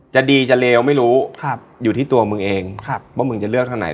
จะดีจะเลวไม่รู้อยู่ที่ตัวมึงเองว่ามึงจะเลือกทางไหน